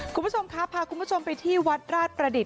คุณผู้ชมครับพาคุณผู้ชมไปที่วัดราชประดิษฐ